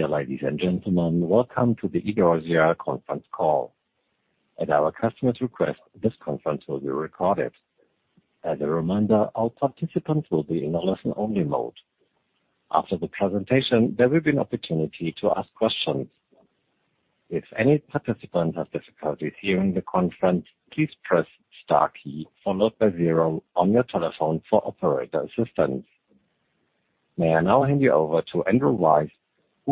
Dear ladies and gentlemen, welcome to the Idorsia conference call. At our customer's request, this conference will be recorded. As a reminder, all participants will be in a listen-only mode. After the presentation, there will be an opportunity to ask questions. If any participant has difficulties hearing the conference, please press * key followed by zero on your telephone for operator assistance. May I now hand you over to Andrew Weiss,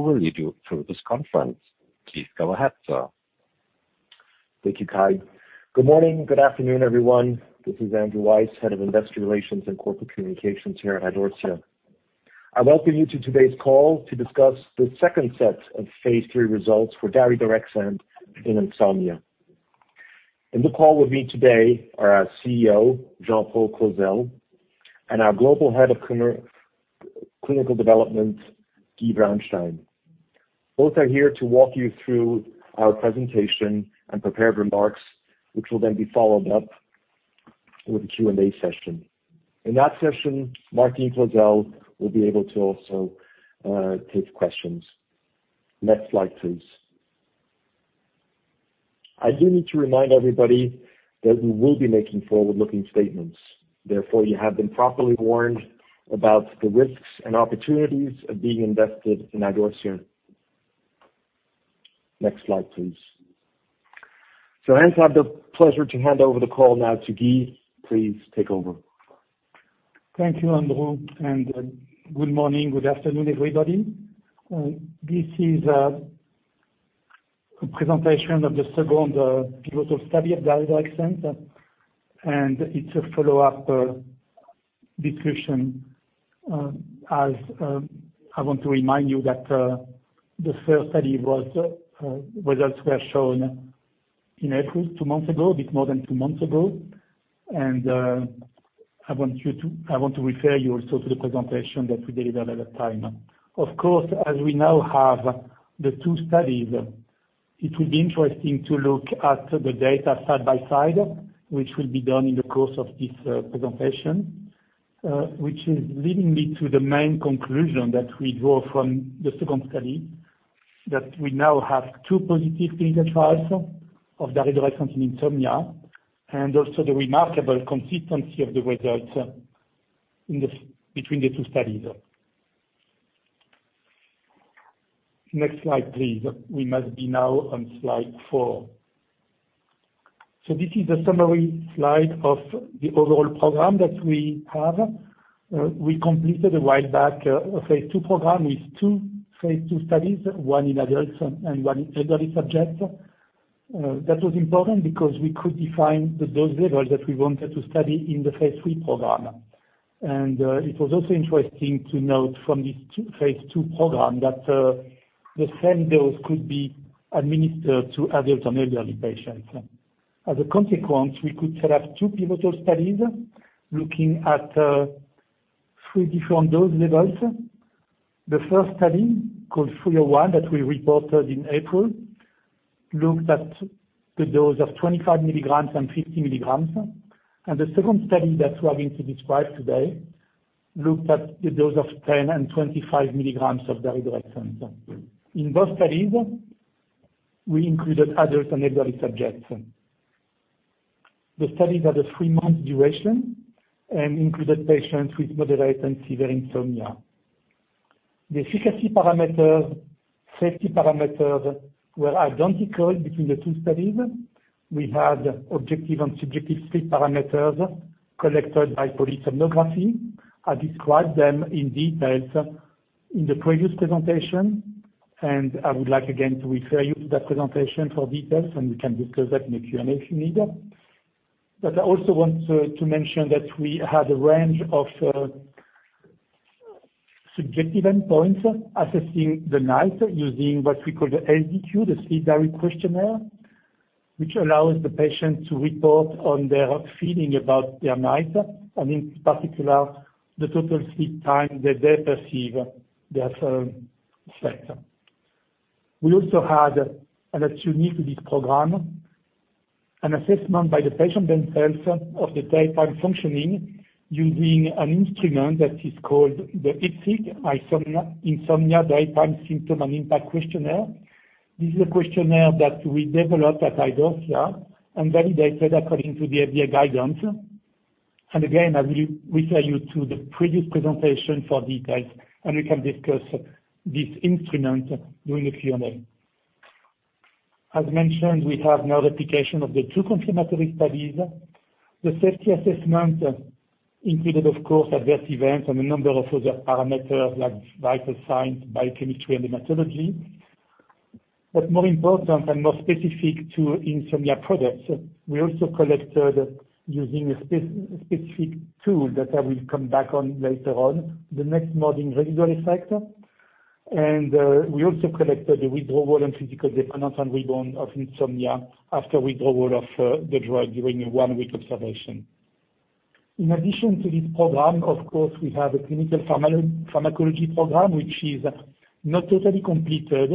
who will lead you through this conference. Please go ahead, sir. Thank you, Kai. Good morning, good afternoon, everyone. This is Andrew Weiss, Head of Investor Relations & Corporate Communications here at Idorsia. I welcome you to today's call to discuss the second set of phase III results for daridorexant in insomnia. In the call with me today are our CEO, Jean-Paul Clozel, and our Global Head of Clinical Development, Guy Braunstein. Both are here to walk you through our presentation and prepared remarks, which will then be followed up with a Q&A session. In that session, Martine Clozel will be able to also take questions. Next slide, please. I do need to remind everybody that we will be making forward-looking statements. Therefore, you have been properly warned about the risks and opportunities of being invested in Idorsia. Next slide, please. I have the pleasure to hand over the call now to Guy. Please take over. Thank you, Andrew, and good morning, good afternoon, everybody. This is a presentation of the second pivotal study of daridorexant, and it's a follow-up discussion as I want to remind you that the first study results were shown in April, two months ago, a bit more than two months ago. I want to refer you also to the presentation that we delivered at that time. Of course, as we now have the two studies, it will be interesting to look at the data side by side, which will be done in the course of this presentation, which is leading me to the main conclusion that we draw from the second study, that we now have two positive clinical trials of daridorexant in insomnia, and also the remarkable consistency of the results between the two studies. Next slide, please. We must be now on slide four. This is a summary slide of the overall program that we have. We completed a while back a phase II program with two phase II studies, one in adults and one in elderly subjects. That was important because we could define the dose level that we wanted to study in the phase III program. It was also interesting to note from this phase II program that the same dose could be administered to adult and elderly patients. As a consequence, we could set up two pivotal studies looking at three different dose levels. The first study, called 301, that we reported in April, looked at the dose of 25 milligrams and 50 milligrams. The second study that we're going to describe today looked at the dose of 10 and 25 milligrams of daridorexant. In both studies, we included adult and elderly subjects. The studies had a three-month duration and included patients with moderate and severe insomnia. The efficacy parameters, safety parameters were identical between the two studies. We had objective and subjective sleep parameters collected by polysomnography. I described them in detail in the previous presentation. I would like again to refer you to that presentation for details, and we can discuss that in the Q&A if you need. I also want to mention that we had a range of subjective endpoints assessing the night using what we call the SDQ, the Sleep Diary Questionnaire, which allows the patient to report on their feeling about their night, and in particular, the total sleep time that they perceive they have slept. We also had, and that's unique to this program, an assessment by the patient themselves of the daytime functioning using an instrument that is called the IDSIQ, Insomnia Daytime Symptoms and Impacts Questionnaire. This is a questionnaire that we developed at Idorsia and validated according to the FDA guidance. Again, I will refer you to the previous presentation for details, and we can discuss this instrument during the Q&A. As mentioned, we have now replication of the two confirmatory studies. The safety assessment included, of course, adverse events and a number of other parameters like vital signs, biochemistry, and hematology. More important and more specific to insomnia products, we also collected using a specific tool that I will come back on later on, the next morning residual effect. We also collected the withdrawal and physical dependence on rebound of insomnia after withdrawal of the drug during a one-week observation. In addition to this program, of course, we have a clinical pharmacology program, which is not totally completed,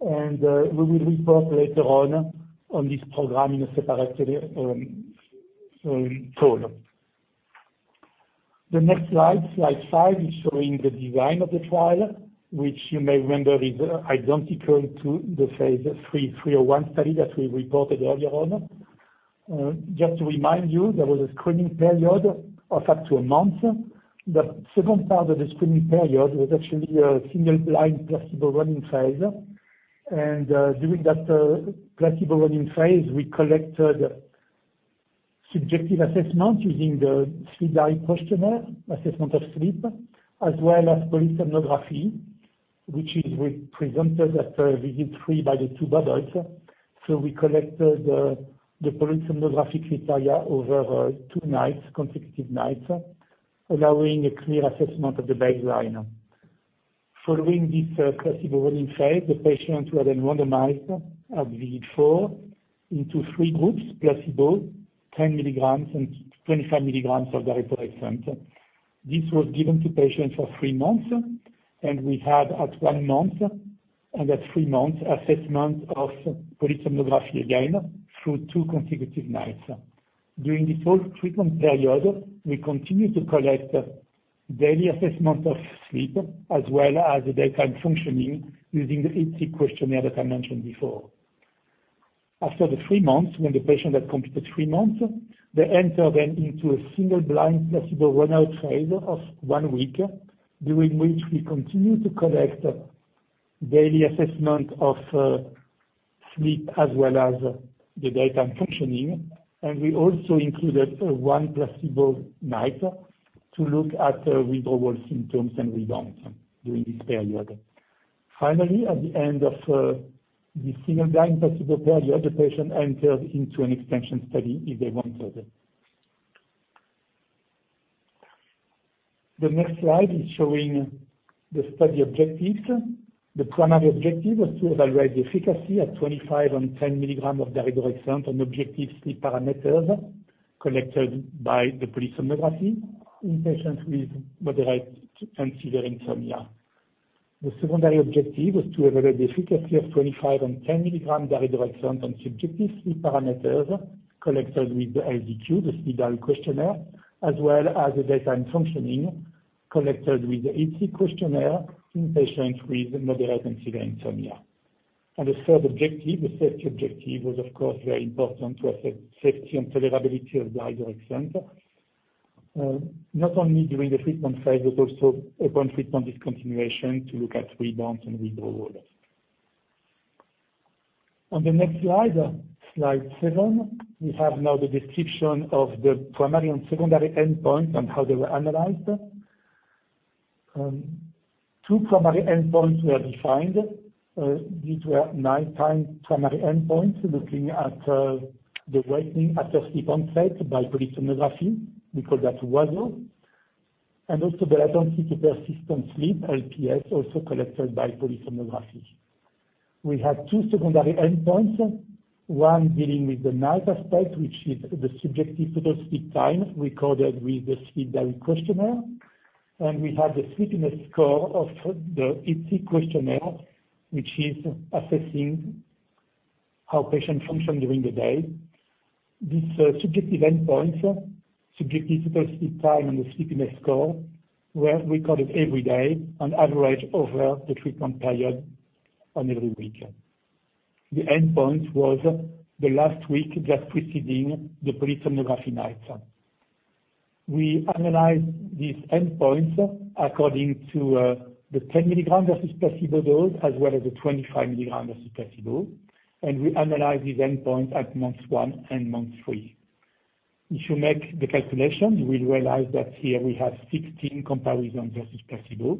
and we will report later on on this program in a separate call. The next slide five, is showing the design of the trial, which you may remember is identical to the phase III, 301 study that we reported earlier on. Just to remind you, there was a screening period of up to a month. The second part of the screening period was actually a single-blind placebo run-in phase. During that placebo running phase, we collected subjective assessment using the Sleep Diary Questionnaire, assessment of sleep, as well as polysomnography, which is represented at visit three by the two bubbles. We collected the polysomnography criteria over two consecutive nights, allowing a clear assessment of the baseline. Following this placebo running phase, the patient was randomized at visit four into three groups, placebo, 10 milligrams, and 25 milligrams of daridorexant. This was given to patients for three months, we had at one month and at three months assessment of polysomnography again through two consecutive nights. During this whole treatment period, we continued to collect daily assessment of sleep as well as the daytime functioning using the IDSIQ questionnaire that I mentioned before. After the three months, when the patient had completed three months, they enter into a single-blind placebo run-out phase of one week, during which we continue to collect daily assessment of sleep as well as the daytime functioning. We also included one placebo night to look at withdrawal symptoms and rebound during this period. Finally, at the end of the single-blind placebo period, the patient entered into an extension study if they wanted. The next slide is showing the study objectives. The primary objective was to evaluate the efficacy of 25 and 10 milligrams of daridorexant on objective sleep parameters collected by the polysomnography in patients with moderate and severe insomnia. The secondary objective was to evaluate the efficacy of 25 and 10 milligrams daridorexant on subjective sleep parameters collected with the SDQ, the Sleep Diary Questionnaire, as well as the daytime functioning collected with the IDSIQ questionnaire in patients with moderate and severe insomnia. The third objective, the safety objective, was, of course, very important to assess safety and tolerability of daridorexant. Not only during the treatment phase but also upon treatment discontinuation to look at rebound and withdrawal. On the next slide seven, we have now the description of the primary and secondary endpoint and how they were analyzed. Two primary endpoints were defined. These were nighttime primary endpoints looking at the Wake After Sleep Onset by polysomnography. We call that WASO, and also the Latency to Persistent Sleep, LPS, also collected by polysomnography. We had two secondary endpoints, one dealing with the night aspect, which is the subjective total sleep time recorded with the Sleep Diary Questionnaire. We had the sleepiness score of the IDSIQ questionnaire, which is assessing how patient function during the day. These subjective endpoints, subjective total sleep time, and the sleepiness score, were recorded every day on average over the treatment period on every week. The endpoint was the last week just preceding the polysomnography night. We analyzed these endpoints according to the 10 milligrams versus placebo dose, as well as the 25 milligrams versus placebo. We analyzed these endpoints at month 1 and month 3. If you make the calculation, you will realize that here we have 16 comparisons versus placebo.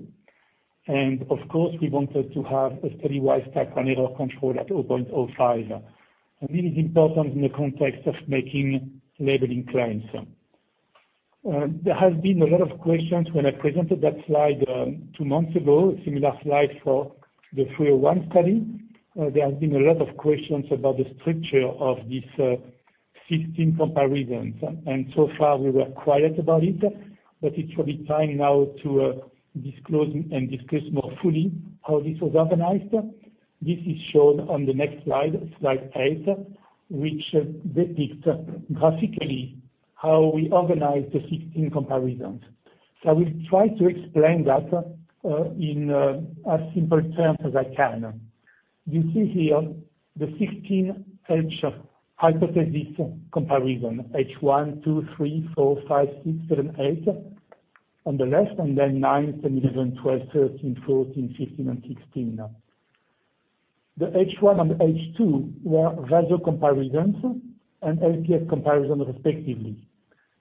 Of course, we wanted to have a study-wide type 1 error control at 0.05. This is important in the context of making labeling claims. There have been a lot of questions when I presented that slide two months ago, a similar slide for the 301 study. There have been a lot of questions about the structure of these 16 comparisons, and so far, we were quiet about it, but it will be time now to disclose and discuss more fully how this was organized. This is shown on the next slide eight, which depicts graphically how we organized the 16 comparisons. I will try to explain that in as simple terms as I can. You see here the 16 H hypothesis comparison, H 1, 2, 3, 4, 5, 6, 7, 8 on the left, 9, 10, 11, 12, 13, 14, 15, and 16. The H1 and H2 were WASO comparisons and LPS comparisons, respectively.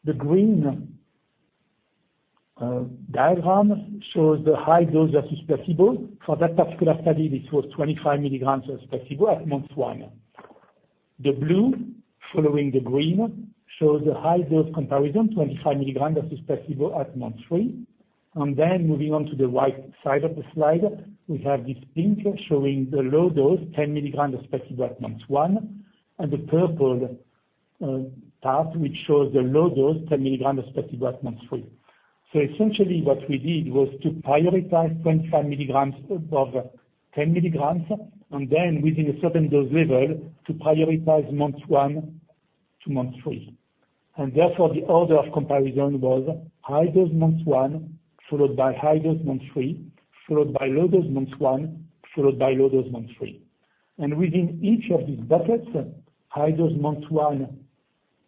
The green diagram shows the high dose versus placebo. For that particular study, this was 25 milligrams versus placebo at month 1. The blue following the green shows the high dose comparison, 25 milligrams versus placebo at month 3. Then moving on to the right side of the slide, we have this pink showing the low dose, 10 milligrams versus placebo at month one, and the purple part which shows the low dose, 10 milligrams versus placebo at month three. Essentially what we did was to prioritize 25 milligrams or 10 milligrams, and then within a certain dose level, to prioritize month one to month three. Therefore the order of comparison was high dose month one, followed by high dose month three, followed by low dose month one, followed by low dose month three. Within each of these buckets, high dose month one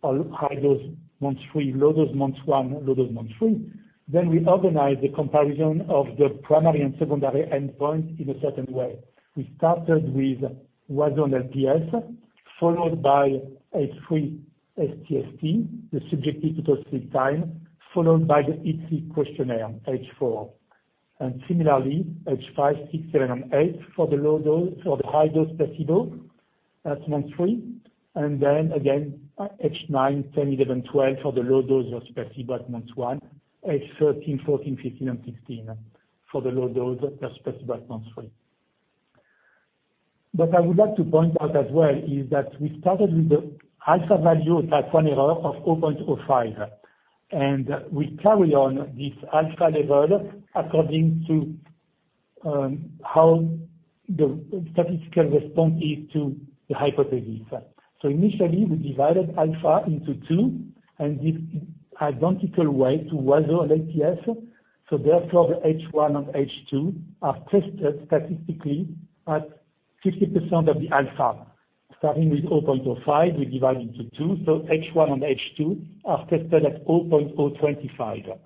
or high dose month three, low dose month one, low dose month three, then we organize the comparison of the primary and secondary endpoint in a certain way. We started with WASO LPS, followed by H3, sTST, the subjective total sleep time, followed by the IDSIQ questionnaire, H4. Similarly, H 5, 6, 7, and 8 for the high dose placebo at month three. Then again, H 9, 10, 11, 12 for the low dose of placebo at month one. H 13, 14, 15, and 16 for the low dose of placebo at month three. What I would like to point out as well is that we started with the alpha value type one error of 0.05. We carry on this alpha level according to how the statistical response is to the hypothesis. Initially we divided alpha into two in this identical way to WASO and LPS. Therefore the H1 and H2 are tested statistically at 50% of the alpha. Starting with 0.05, we divide into two, H1 and H2 are tested at 0.025.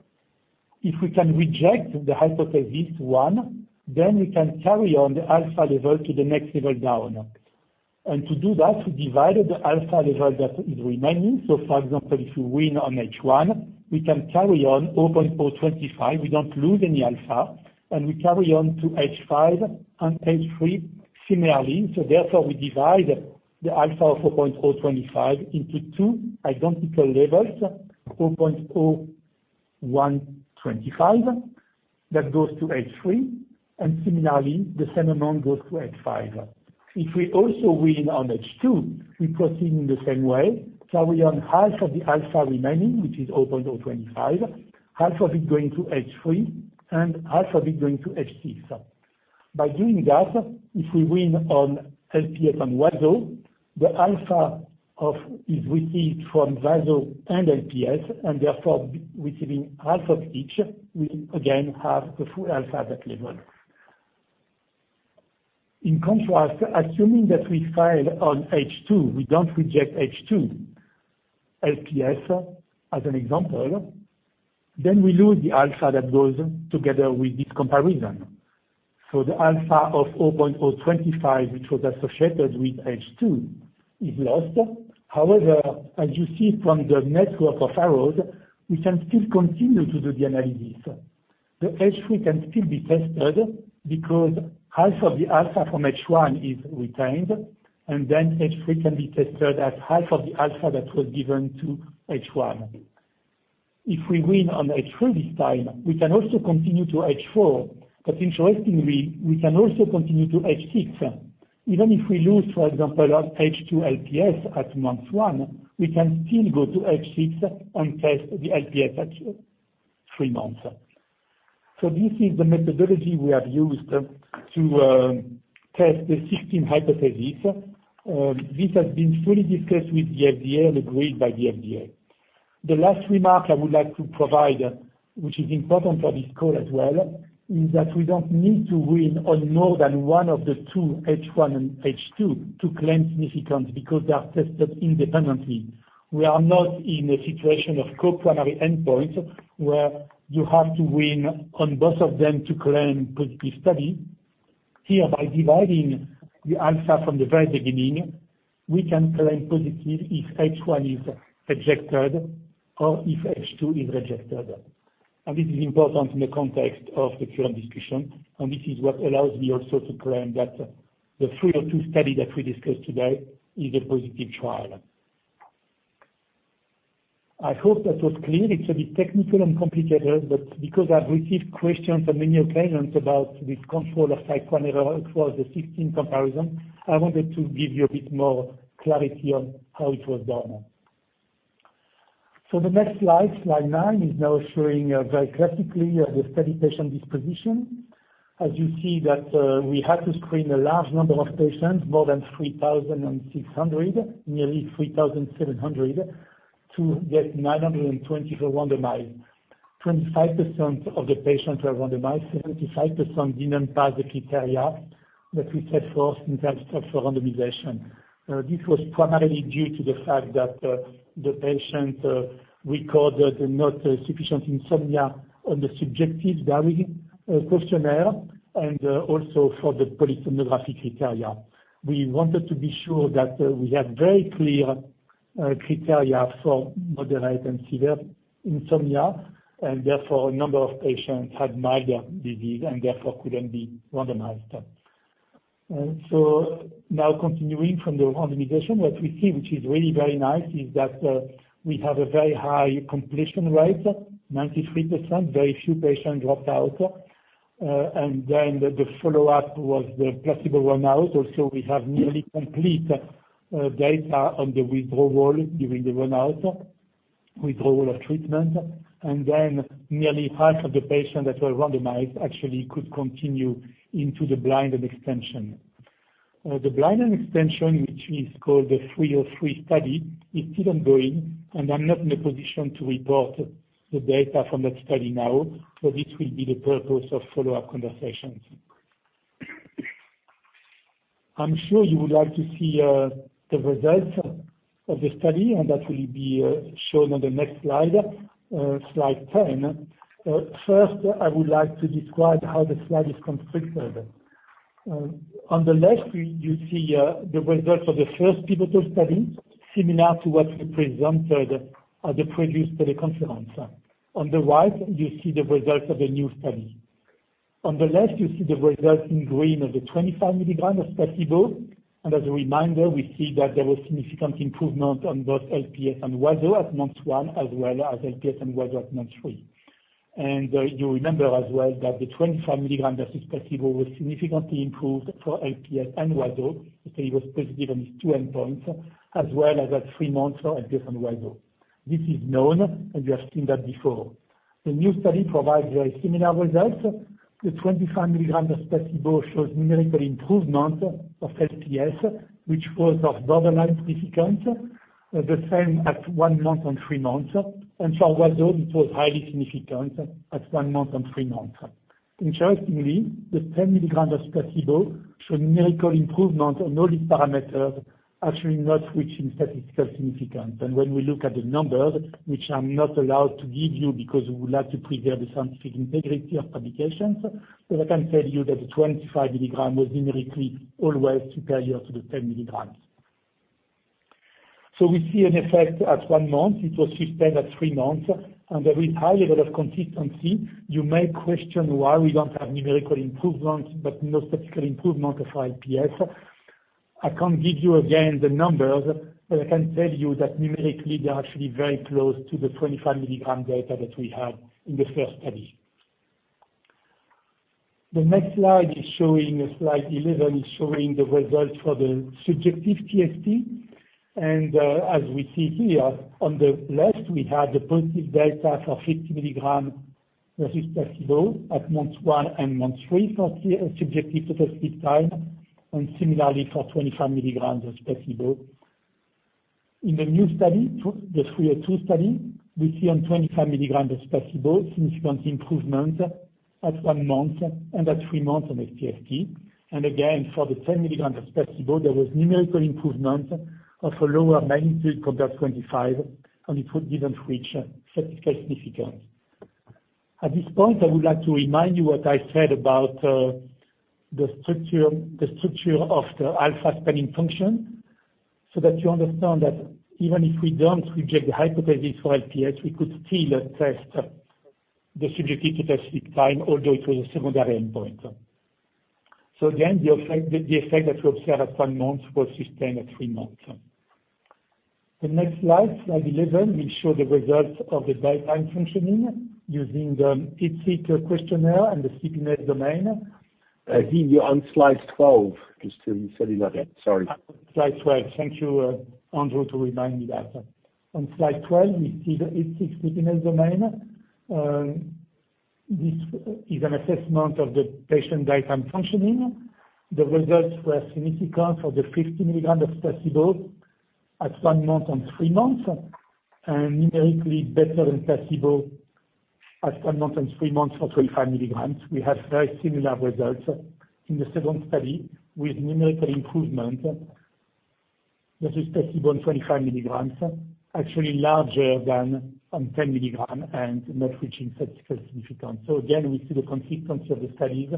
If we can reject the hypothesis one, we can carry on the alpha level to the next level down. To do that, we divided the alpha level that is remaining. For example, if you win on H1, we can carry on 0.025, we don't lose any alpha, and we carry on to H5 and H3 similarly. Therefore we divide the alpha of 0.025 into two identical levels, 0.0125 that goes to H3, and similarly, the same amount goes to H5. If we also win on H2, we proceed in the same way, carry on half of the alpha remaining, which is 0.025. Half of it going to H3, and half of it going to H6. By doing that, if we win on LPS and WASO, the alpha is received from WASO and LPS, and therefore receiving half of each, we again have the full alpha at that level. In contrast, assuming that we fail on H2, we don't reject H2, LPS as an example, then we lose the alpha that goes together with this comparison. The alpha of 0.025, which was associated with H2, is lost. However, as you see from the network of arrows, we can still continue to do the analysis. The H3 can still be tested because half of the alpha from H1 is retained, and then H3 can be tested at half of the alpha that was given to H1. If we win on H3 this time, we can also continue to H4, but interestingly, we can also continue to H6. Even if we lose, for example, at H2 LPS at month one, we can still go to H6 and test the LPS at three months. This is the methodology we have used to test the 16 hypotheses. This has been fully discussed with the FDA and agreed by the FDA. The last remark I would like to provide, which is important for this call as well, is that we don't need to win on more than one of the two, H1 and H2, to claim significance because they are tested independently. We are not in a situation of co-primary endpoints where you have to win on both of them to claim positive study. Here by dividing the alpha from the very beginning, we can claim positive if H1 is rejected or if H2 is rejected. This is important in the context of the current discussion, and this is what allows me also to claim that the 302 study that we discussed today is a positive trial. I hope that was clear. It's a bit technical and complicated, but because I've received questions and many opinions about this control of type 1 error across the 16 comparison, I wanted to give you a bit more clarity on how it was done. The next slide nine, is now showing very classically the study patient disposition. As you see that we had to screen a large number of patients, more than 3,600, nearly 3,700, to get 920 for randomize. 25% of the patients were randomized. 75% didn't pass the criteria that we set forth in terms of randomization. This was primarily due to the fact that the patient recorded not sufficient insomnia on the subjective diary questionnaire, and also for the polysomnography criteria. We wanted to be sure that we had very clear criteria for moderate and severe insomnia, and therefore a number of patients had milder disease and therefore couldn't be randomized. Now continuing from the randomization, what we see, which is really very nice, is that we have a very high completion rate, 93%, very few patients dropped out. The follow-up was the placebo run out. Also, we have nearly complete data on the withdrawal during the run out. Withdrawal of treatment, nearly half of the patients that were randomized actually could continue into the blinded extension. The blinded extension, which is called the 303 study, is still ongoing, and I'm not in a position to report the data from that study now, so this will be the purpose of follow-up conversations. I'm sure you would like to see the results of the study, and that will be shown on the next slide 10. First, I would like to describe how the slide is configured. On the left, you see the results of the first pivotal study, similar to what we presented at the previous teleconference. On the right, you see the results of the new study. On the left, you see the results in green of the 25 milligram of placebo. As a reminder, we see that there was significant improvement on both LPS and WASO at month one, as well as LPS and WASO at month three. You remember as well that the 25 milligram versus placebo was significantly improved for LPS and WASO. The study was positive on these two endpoints, as well as at 3 months for LPS and WASO. This is known, and you have seen that before. The new study provides very similar results. The 25 milligram of placebo shows numerical improvement of LPS, which was of borderline significance. The same at 1 month and 3 months. For WASO, it was highly significant at 1 month and 3 months. Interestingly, the 10 milligram of placebo showed numerical improvement on all these parameters, actually not reaching statistical significance. When we look at the numbers, which I'm not allowed to give you because we would like to preserve the scientific integrity of publications, but I can tell you that the 25 milligram was numerically always superior to the 10 milligrams. We see an effect at one month. It was sustained at three months, and there is high level of consistency. You may question why we don't have numerical improvements but no statistical improvement of LPS. I can't give you again the numbers, but I can tell you that numerically, they are actually very close to the 25-milligram data that we had in the first study. The next slide 11, is showing the results for the subjective TST. As we see here, on the left, we have the positive data for 50 milligram versus placebo at month one and month three for subjective total sleep time, and similarly for 25 milligrams of placebo. In the new study, the 302 study, we see on 25 milligram of placebo significant improvement at one month and at three months on sTST. Again, for the 10 milligrams of placebo, there was numerical improvement of a lower magnitude compared to 25, and it didn't reach statistical significance. At this point, I would like to remind you what I said about the structure of the alpha spanning function, so that you understand that even if we don't reject the hypothesis for LPS, we could still test the subjective total sleep time, although it was a secondary endpoint. Again, the effect that we observed at one month was sustained at three months. The next slide 11, will show the results of the daytime functioning using the IDSIQ questionnaire and the sleepiness domain. I think you're on slide 12, Christian, sorry about that. Sorry. Slide 12. Thank you, Andrew, to remind me that. On slide 12, we see the IDSIQ sleepiness domain. This is an assessment of the patient daytime functioning. The results were significant for the 50 milligram of placebo at one month and three months, and numerically better than placebo at one month and three months for 25 milligrams. We have very similar results in the second study with numerical improvement versus placebo in 25 milligrams, actually larger than on 10 milligram and not reaching statistical significance. Again, we see the consistency of the studies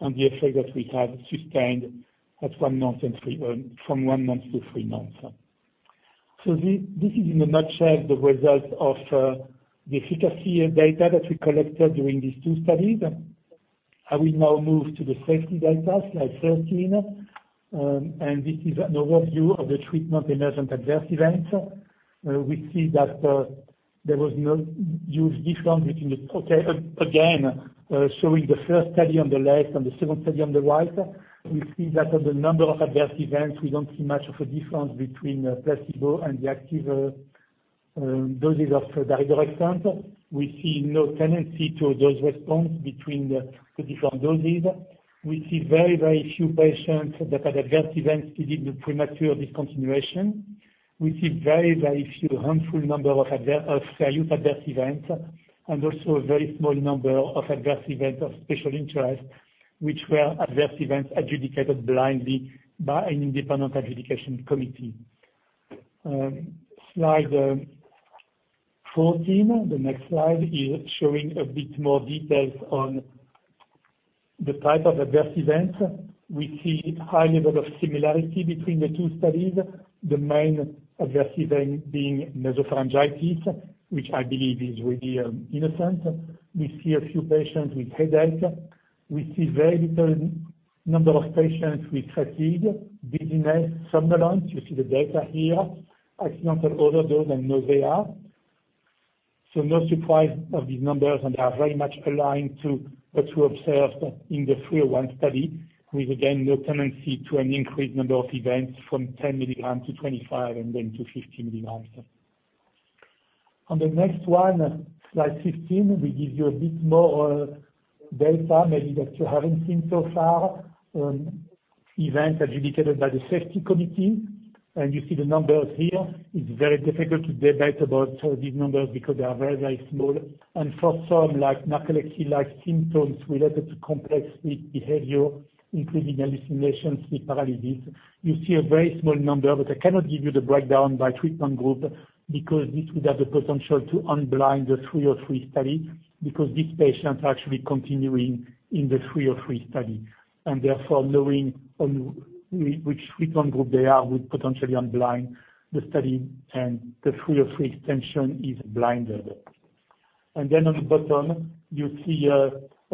and the effect that we have sustained from one month to three months. This is in a nutshell the result of the efficacy data that we collected during these two studies. I will now move to the safety data, Slide 13. This is an overview of the treatment-emergent adverse events. Showing the first study on the left and the second study on the right. We see that on the number of adverse events, we don't see much of a difference between placebo and the active doses of daridorexant. We see no tendency to dose response between the different doses. We see very, very few patients that had adverse events leading to premature discontinuation. We see a very, very few handful number of serious adverse events, and also a very small number of adverse events of special interest, which were adverse events adjudicated blindly by an independent adjudication committee. Slide 14, the next slide, is showing a bit more details on the type of adverse events. We see high level of similarity between the two studies, the main adverse event being nasopharyngitis, which I believe is really innocent. We see a few patients with headache. We see very little number of patients with fatigue, dizziness, somnolence. You see the data here. Accidental overdose, and nausea. No surprise of these numbers, and they are very much aligned to what we observed in the 301 study, with again, the tendency to an increased number of events from 10 milligrams to 25 and then to 50 milligrams. On the next one, slide 15, we give you a bit more data maybe that you haven't seen so far on events adjudicated by the safety committee. You see the numbers here. It's very difficult to debate about these numbers because they are very small. For some narcolepsy-like symptoms related to complex sleep behavior, including hallucinations, sleep paralysis, you see a very small number, but I cannot give you the breakdown by treatment group because this would have the potential to unblind the 303 study, because these patients are actually continuing in the 303 study. Therefore, knowing on which treatment group they are would potentially unblind the study, and the 303 extension is blinded. On the bottom, you see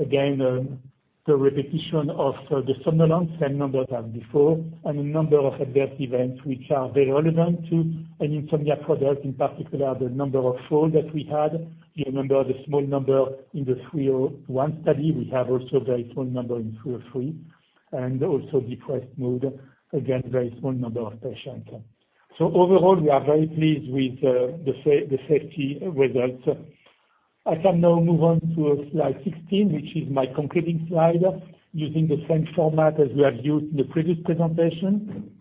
again, the repetition of the somnolence, same numbers as before, and the number of adverse events, which are very relevant to an insomnia product, in particular, the number of falls that we had. You remember the small number in the 301 study. We have also a very small number in 303. Also depressed mood, again, very small number of patients. Overall, we are very pleased with the safety results. I can now move on to slide 16, which is my concluding slide, using the same format as we have used in the previous presentation.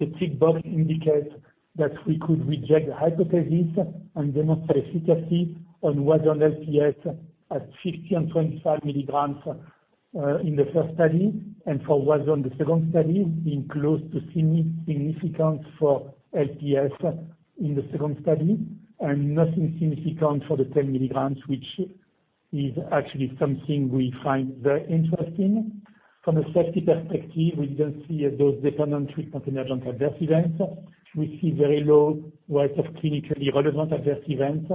The tick box indicates that we could reject the hypothesis and demonstrate efficacy on WASO and LPS at 50 and 25 milligrams in the first study, and for WASO in the second study, being close to significance for LPS in the second study, and nothing significant for the 10 milligrams, which is actually something we find very interesting. From a safety perspective, we didn't see a dose-dependent treatment-emergent adverse event. We see very low rates of clinically relevant adverse events.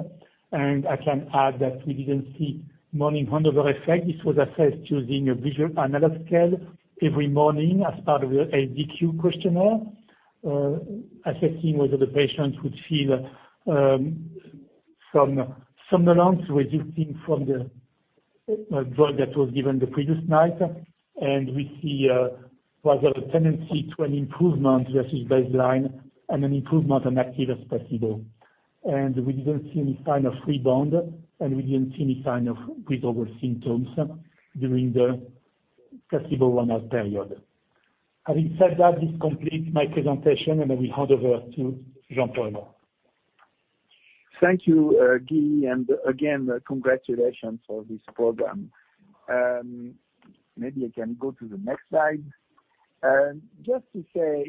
I can add that we didn't see morning hangover effect. This was assessed using a visual analog scale every morning as part of the IDSIQ questionnaire, assessing whether the patients would feel some somnolence resulting from the drug that was given the previous night. We see rather a tendency to an improvement versus baseline and an improvement on active as placebo. We didn't see any sign of rebound, and we didn't see any sign of withdrawal symptoms during the placebo run-out period. Having said that, this completes my presentation, and I will hand over to Jean-Paul Clozel. Thank you, Guy. Again, congratulations for this program. Maybe I can go to the next slide. Just to say,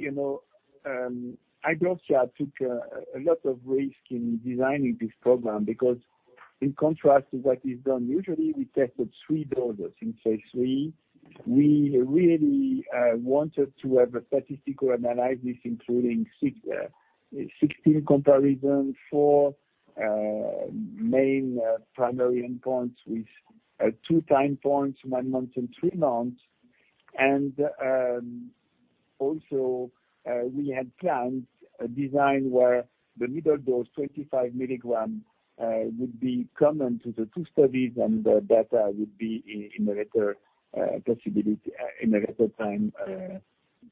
Idorsia took a lot of risk in designing this program because, in contrast to what is done usually, we tested three doses in phase III. We really wanted to have a statistical analysis including 16 comparisons, four main primary endpoints with two time points, one month and three months. Also, we had planned a design where the middle dose, 25 milligrams, would be common to the two studies, and the data would be in a better possibility, in a better time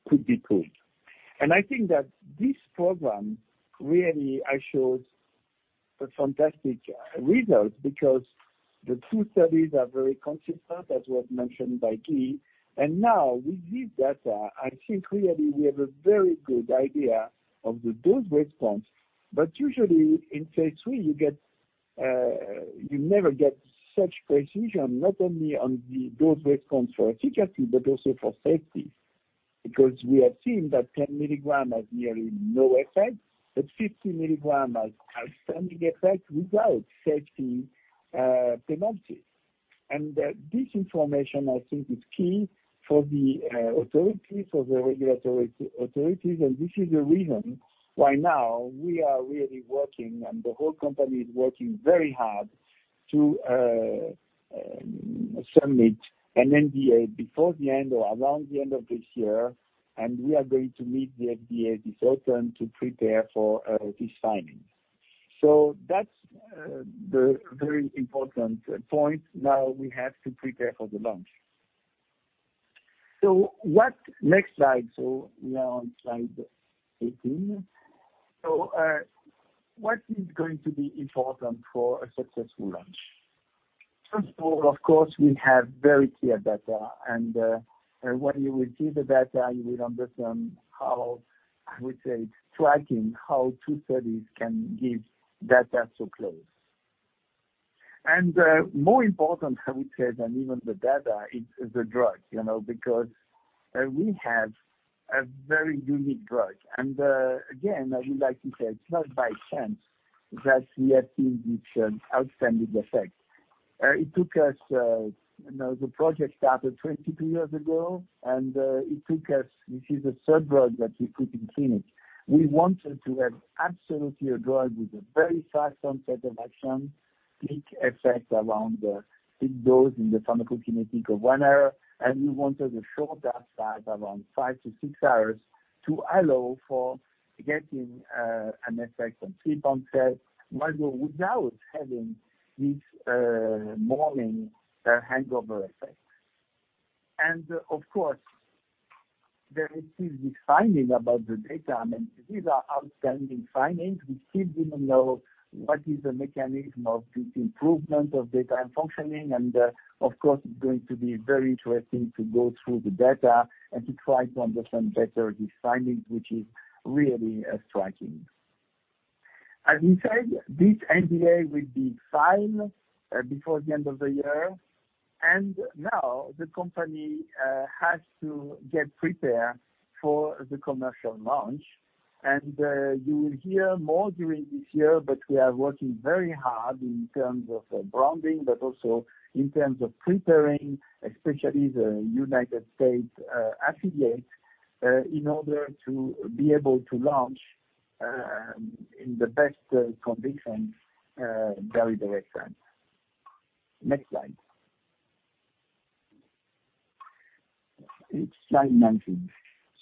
could be pooled. I think that this program really showed a fantastic result because the two studies are very consistent, as was mentioned by Guy. Now with this data, I think really we have a very good idea of the dose response. Usually, in phase III, you never get such precision, not only on the dose-response for efficacy but also for safety. We have seen that 10 milligrams has nearly no effect, but 50 milligrams has outstanding effect without safety penalties. This information, I think, is key for the authorities, for the regulatory authorities, and this is the reason why now we are really working, and the whole company is working very hard to submit an NDA before the end or around the end of this year, and we are going to meet the FDA this autumn to prepare for this filing. That's the very important point. Now we have to prepare for the launch. Next slide. We are on slide 18. What is going to be important for a successful launch? First of all, of course, we have very clear data, and when you will see the data, you will understand how, I would say, striking how two studies can give data so close. More important, I would say, than even the data is the drug. Because we have a very unique drug. Again, I would like to say it's not by chance that we have seen this outstanding effect. The project started 22 years ago, and this is the third drug that we put in clinic. We wanted to have absolutely a drug with a very fast onset of action, peak effect around the peak dose in the pharmacokinetics of one hour, we wanted a shorter half-life, around five to six hours, to allow for getting an effect on sleep onset module without having this morning hangover effect. Of course, there is still this finding about the data. These are outstanding findings. We still didn't know what is the mechanism of this improvement of daytime functioning, of course, it's going to be very interesting to go through the data and to try to understand better these findings, which is really striking. As we said, this NDA will be filed before the end of the year. Now the company has to get prepared for the commercial launch. You will hear more during this year, but we are working very hard in terms of branding, but also in terms of preparing especially the United States affiliates in order to be able to launch in the best conditions, daridorexant. Next slide. It is slide 19.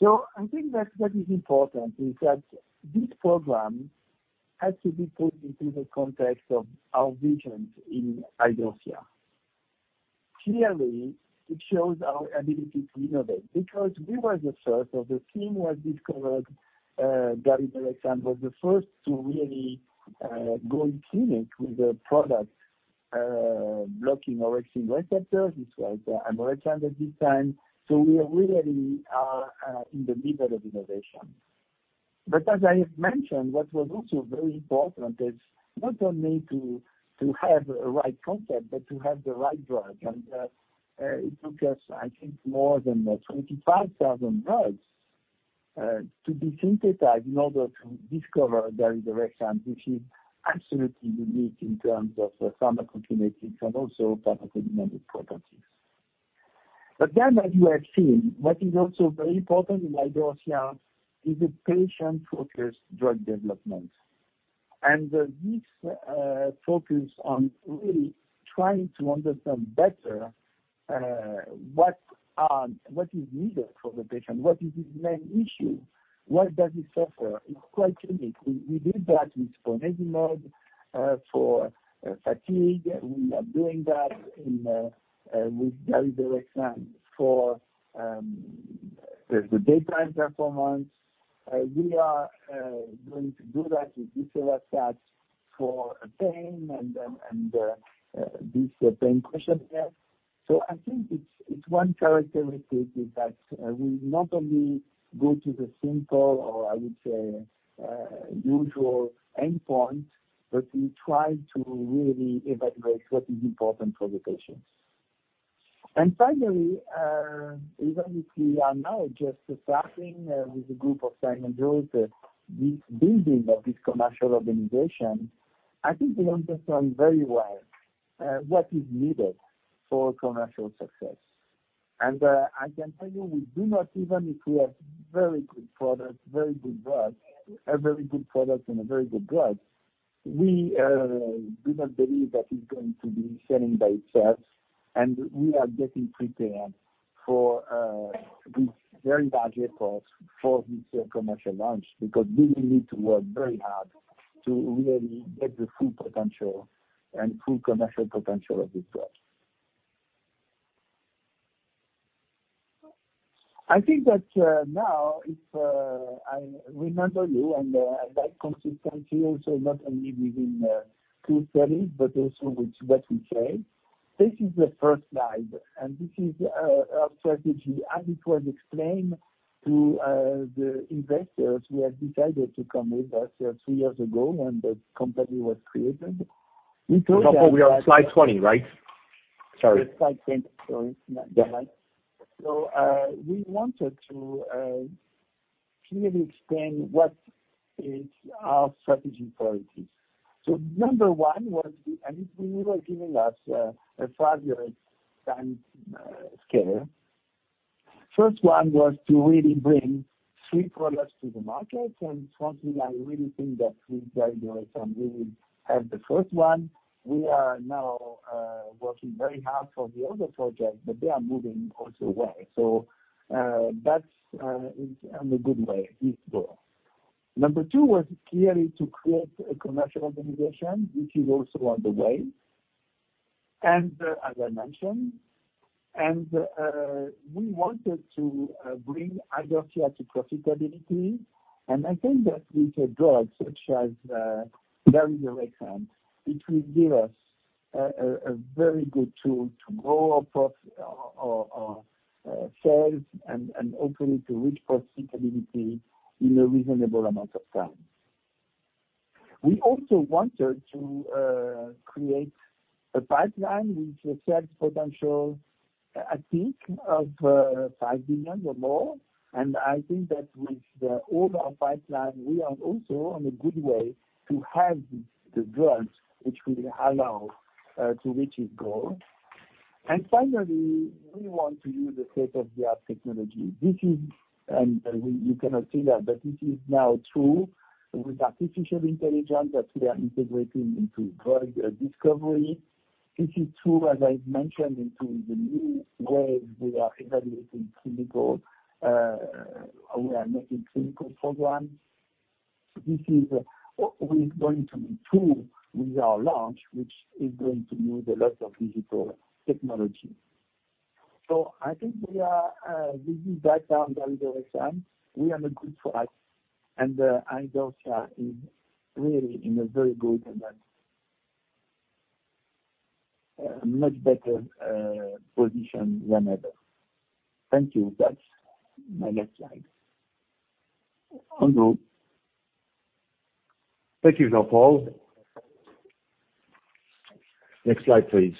I think that what is important is that this program has to be put into the context of our vision in Idorsia. Clearly, it shows our ability to innovate because we were the first. The team was discovered, daridorexant was the first to really go in clinic with a product blocking orexin receptors. It was almorexant at this time. We really are in the middle of innovation. As I have mentioned, what was also very important is not only to have a right concept, but to have the right drug. It took us, I think, more than 25,000 drugs to be synthesized in order to discover daridorexant, which is absolutely unique in terms of pharmacokinetics and also pharmacodynamic properties. As you have seen, what is also very important in Idorsia is a patient-focused drug development. This focus on really trying to understand better what is needed for the patient, what is his main issue, what does he suffer is quite unique. We did that with ponesimod for fatigue. We are doing that with daridorexant for the daytime performance. We are going to do that with cenerimod for pain and this pain questionnaire. I think it's one characteristic is that we not only go to the simple or I would say, usual endpoint, but we try to really evaluate what is important for the patients. Finally, even if we are now just starting with a group of science and this building of this commercial organization, I think we understand very well what is needed for commercial success. I can tell you, even if we have a very good product and a very good drug, we do not believe that it's going to be selling by itself. We are getting prepared with very large efforts for this commercial launch because we will need to work very hard to really get the full potential and full commercial potential of this drug. I think that now, if I remember you and I like consistency also not only within the school studies, but also with what we say. This is the first slide, and this is our strategy as it was explained to the investors who have decided to come with us three years ago when the company was created. We told them Jean-Paul, we are on slide 20, right? Sorry. Slide 20. Sorry. Yeah. We wanted to clearly explain what is our strategy priorities. Number one was, and if we were giving us a five-year time scale, first one was to really bring three products to the market. Frankly, I really think that with daridorexant, we will have the first one. We are now working very hard for the other projects, but they are moving also well. That's in a good way, this goal. Number two was clearly to create a commercial organization, which is also on the way. As I mentioned. We wanted to bring Idorsia to profitability. I think that with a drug such as daridorexant, it will give us a very good tool to grow our sales and hopefully to reach profitability in a reasonable amount of time. We also wanted to create a pipeline with a sales potential, I think of 5 billion or more. I think that with all our pipeline, we are also on a good way to have the drugs which will allow to reach this goal. Finally, we want to use a state-of-the-art technology. This is, and you cannot see that, but this is now true with artificial intelligence that we are integrating into drug discovery. This is true, as I've mentioned, into the new ways we are evaluating how we are making clinical programs. This is what we're going to improve with our launch, which is going to need a lot of digital technology. I think with this data and validation, we are in a good spot. Idorsia is really in a very good and much better position than ever. Thank you. That's my last slide. Thank you, Jean-Paul. Next slide, please.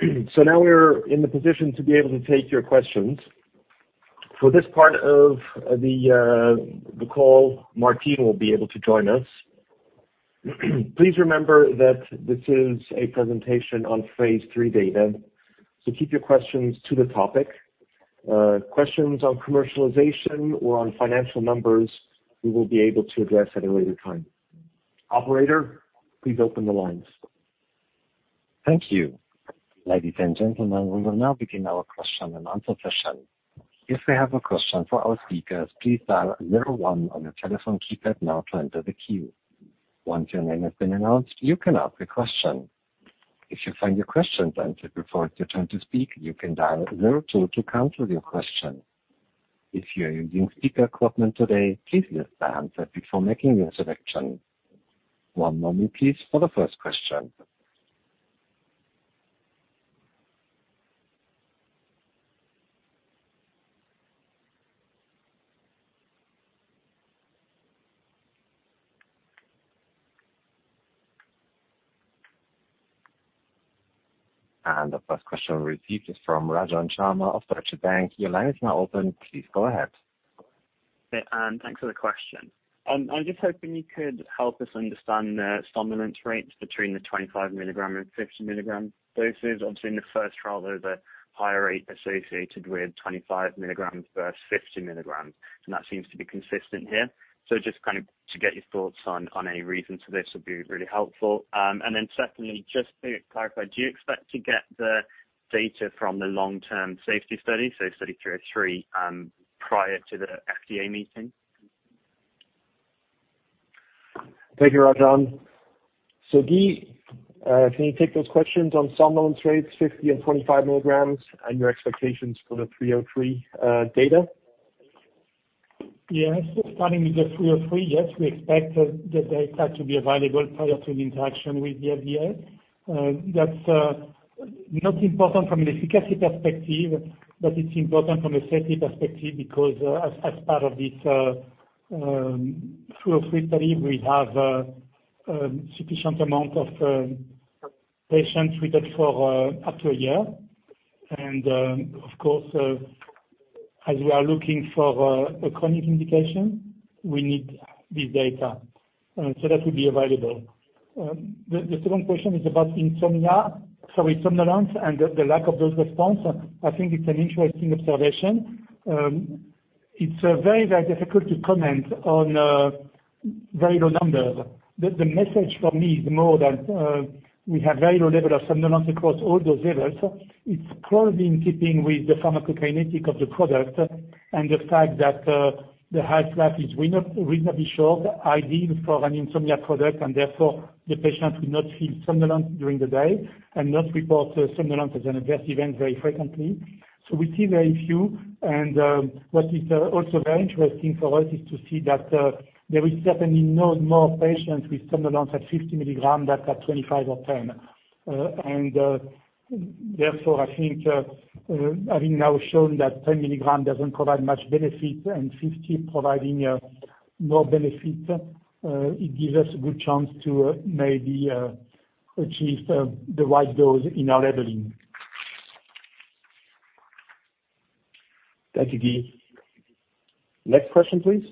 Now we're in the position to be able to take your questions. For this part of the call, Martine will be able to join us. Please remember that this is a presentation on phase III data. Keep your questions to the topic. Questions on commercialization or on financial numbers, we will be able to address at a later time. Operator, please open the lines. Thank you. Ladies and gentlemen, we will now begin our question and answer session. If you have a question for our speakers, please dial zero one on your telephone keypad now to enter the queue. Once your name has been announced, you can ask a question. If you find your question answered before it's your turn to speak, you can dial zero two to cancel your question. If you are using speaker equipment today, please mute the answer before making your selection. One moment please for the first question. The first question received is from Rajan Sharma of Deutsche Bank. Your line is now open. Please go ahead. Hey, thanks for the question. I'm just hoping you could help us understand the somnolence rates between the 25 milligram and 50 milligram doses. Obviously, in the first trial, there was a higher rate associated with 25 milligrams versus 50 milligrams, and that seems to be consistent here. Just kind of to get your thoughts on any reason for this would be really helpful. Secondly, just to clarify, do you expect to get the data from the long-term safety study, so Study 303, prior to the FDA meeting? Thank you, Rajan. Guy, can you take those questions on somnolence rates 50 and 25 mg and your expectations for the 303 data? Yes. Starting with the 303. Yes, we expect the data to be available prior to the interaction with the FDA. That's not important from an efficacy perspective, but it's important from a safety perspective because as part of this 303 study, we have a sufficient amount of patients treated for up to a year. Of course, as we are looking for a chronic indication, we need this data. That will be available. The second question is about insomnia, sorry, somnolence and the lack of dose response. I think it's an interesting observation. It's very difficult to comment on very low numbers. The message for me is more that we have very low level of somnolence across all those levels. It's probably in keeping with the pharmacokinetic of the product and the fact that the half-life is reasonably short, ideal for an insomnia product, and therefore the patient will not feel somnolent during the day and not report somnolence as an adverse event very frequently. We see very few, and what is also very interesting for us is to see that there is certainly no more patients with somnolence at 50 milligram than at 25 or 10. Therefore I think having now shown that 10 milligram doesn't provide much benefit and 50 providing no benefit, it gives us a good chance to maybe achieve the right dose in our labeling. Thank you. Next question, please.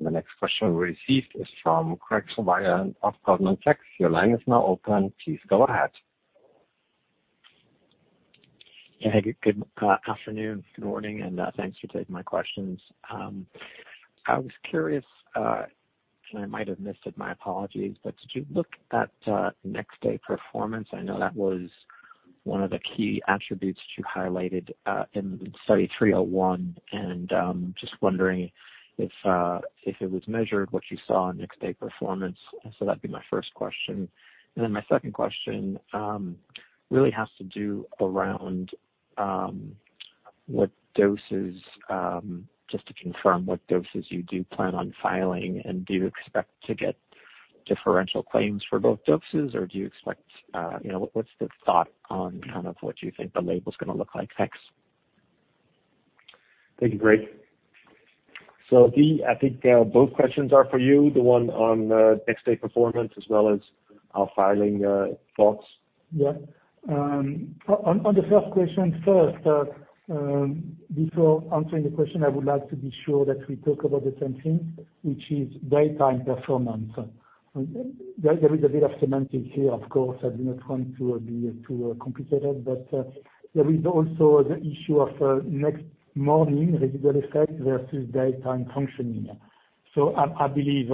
The next question received is from Graig Suvannavejh of Goldman Sachs. Your line is now open. Please go ahead. Hey. Good afternoon, good morning. Thanks for taking my questions. I was curious, I might have missed it, my apologies, did you look at next day performance? I know that was one of the key attributes you highlighted in Study 301, just wondering if it was measured, what you saw in next day performance. That'd be my first question. My second question really has to do around what doses, just to confirm what doses you do plan on filing and do you expect to get differential claims for both doses or what's the thought on kind of what you think the label's going to look like next? Thank you, Graig. Guy, I think both questions are for you, the one on next day performance as well as our filing thoughts. Yeah. On the first question first. Before answering the question, I would like to be sure that we talk about the same thing, which is daytime performance. There is a bit of semantics here, of course. I do not want to be too complicated, but there is also the issue of next morning residual effect versus daytime functioning. I believe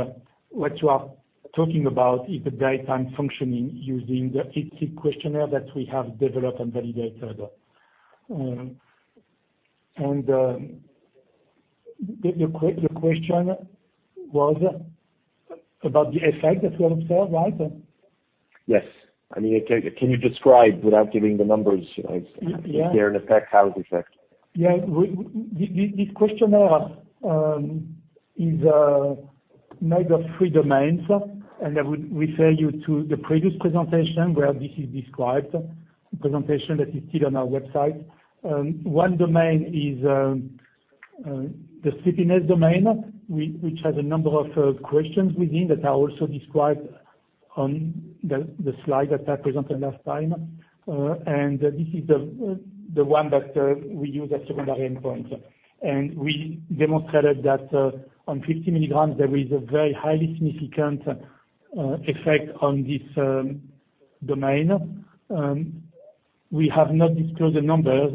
what you are talking about is the daytime functioning using the IDSIQ questionnaire that we have developed and validated. The question was about the effect that we observed, right? Yes. Can you describe without giving the numbers? Yeah. Is there an effect? How is the effect? Yeah. This questionnaire is made of three domains, and I would refer you to the previous presentation where this is described. Presentation that is still on our website. One domain is the sleepiness domain, which has a number of questions within that I also described on the slide that I presented last time. This is the one that we use as secondary endpoint. We demonstrated that on 50 milligrams, there is a very highly significant effect on this domain. We have not disclosed the numbers,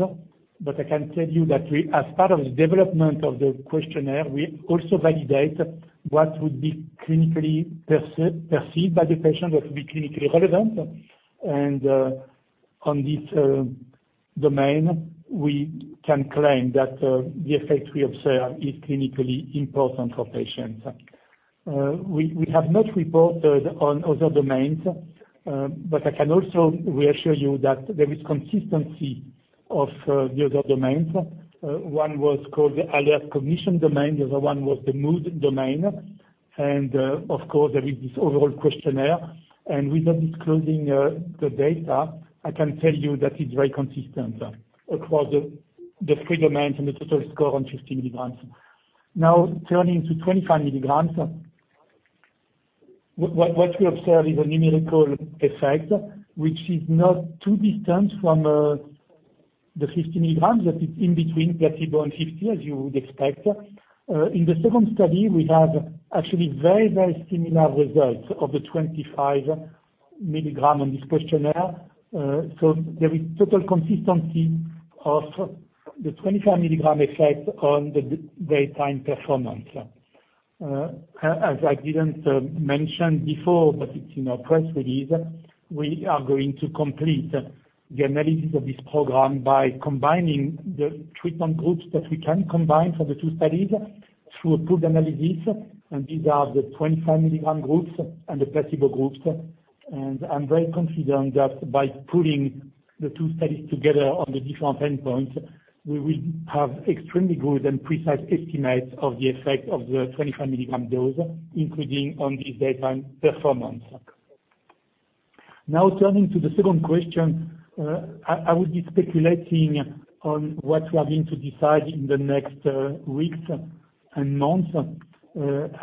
but I can tell you that as part of the development of the questionnaire, we also validate what would be clinically perceived by the patient, what would be clinically relevant. On this domain, we can claim that the effect we observe is clinically important for patients. We have not reported on other domains, but I can also reassure you that there is consistency of the other domains. One was called the Alert/Cognition domain, the other one was the mood domain. Of course, there is this overall questionnaire. Without disclosing the data, I can tell you that it's very consistent across the three domains and the total score on 50 milligrams. Now turning to 25 milligrams. What we observe is a numerical effect, which is not too distant from the 50 milligrams, that is in between placebo and 50, as you would expect. In the second study, we have actually very similar results of the 25 milligrams on this questionnaire. There is total consistency of the 25 milligrams effect on the daytime performance. As I didn't mention before, but it's in our press release, we are going to complete the analysis of this program by combining the treatment groups that we can combine for the two studies through a pooled analysis, and these are the 25 milligrams groups and the placebo groups. I'm very confident that by pooling the two studies together on the different endpoints, we will have extremely good and precise estimates of the effect of the 25 milligrams dose, including on this daytime performance. Now, turning to the second question. I would be speculating on what we are going to decide in the next weeks and months, and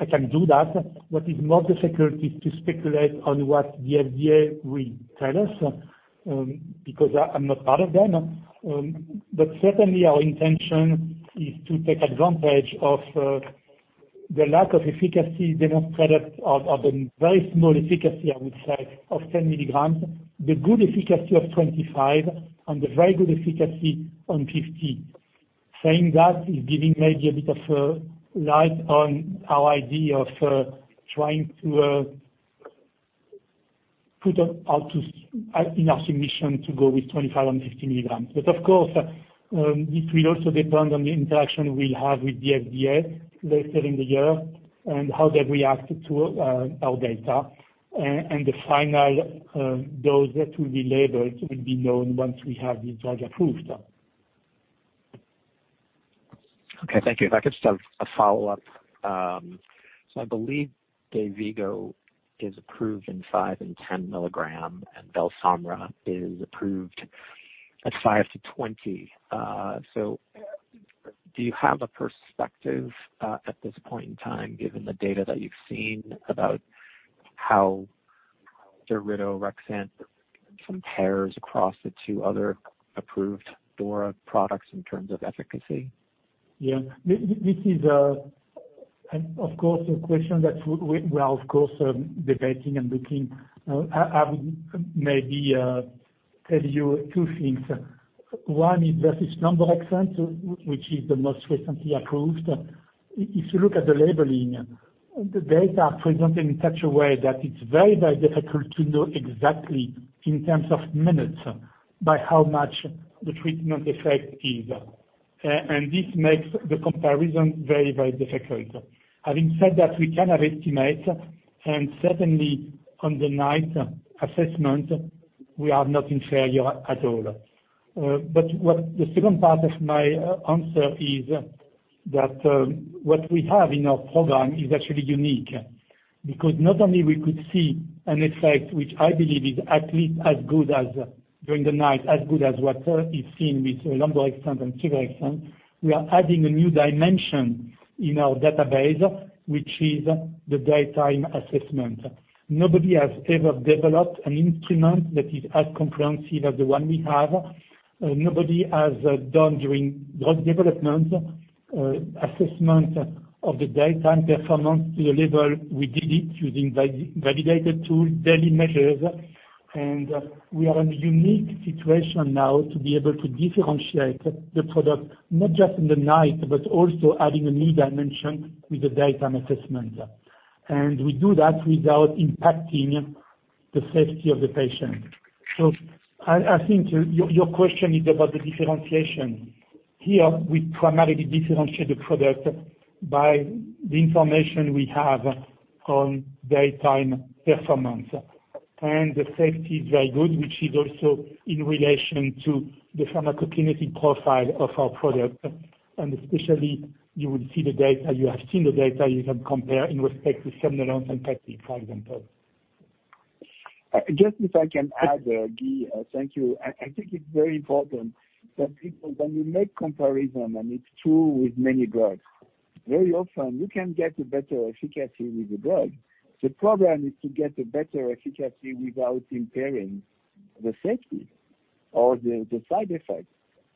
I can do that. What is more difficult is to speculate on what the FDA will tell us, because I'm not part of them. Certainly our intention is to take advantage of the lack of efficacy demonstrated of the very small efficacy, I would say, of 10 milligrams, the good efficacy of 25 and the very good efficacy on 50. Saying that is giving maybe a bit of light on our idea of trying to put in our submission to go with 25 and 50 milligrams. Of course, it will also depend on the interaction we will have with the FDA later in the year and how they react to our data. The final dose that will be labeled will be known once we have the drug approved. Okay. Thank you. If I could just have a follow-up. I believe DAYVIGO is approved in five and 10 milligrams, and BELSOMRA is approved at five to 20. Do you have a perspective at this point in time, given the data that you've seen, about how daridorexant compares across the two other approved DORA products in terms of efficacy? Yeah. This is, of course, a question that we are, of course, debating and looking. I would maybe tell you two things. One is versus suvorexant, which is the most recently approved. If you look at the labeling, the data are presented in such a way that it's very difficult to know exactly in terms of minutes by how much the treatment effect is. This makes the comparison very difficult. Having said that, we can have estimates, and certainly on the night assessment, we are not inferior at all. What the second part of my answer is that what we have in our program is actually unique. Not only we could see an effect which I believe is at least as good as during the night, as good as what is seen with suvorexant and lemborexant. We are adding a new dimension in our database, which is the daytime assessment. Nobody has ever developed an instrument that is as comprehensive as the one we have. Nobody has done during drug development, assessment of the daytime performance to the level we did it using validated tools, daily measures. We are in a unique situation now to be able to differentiate the product not just in the night, but also adding a new dimension with the daytime assessment. We do that without impacting the safety of the patient. I think your question is about the differentiation. Here, we primarily differentiate the product by the information we have on daytime performance. The safety is very good, which is also in relation to the pharmacokinetic profile of our product, and especially, you would see the data. You have seen the data, you have compared in respect to somnolence and QUVIVIQ, for example. Just if I can add, Guy. Thank you. I think it's very important that people, when you make comparison, it's true with many drugs, very often you can get a better efficacy with the drug. The problem is to get a better efficacy without impairing the safety or the side effects.